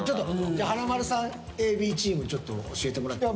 じゃ華丸さんＡＢチームちょっと教えてもらって。